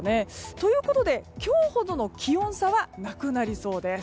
ということで今日ほどの気温差はなくなりそうです。